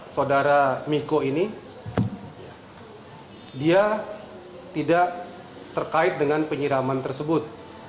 saudara miko ini dia tidak terkait dengan penyiraman tersebut